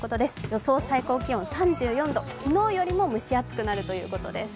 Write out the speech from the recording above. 予想最高気温、３４度、昨日よりも蒸し暑くなるということです。